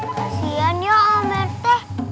kasian ya om rt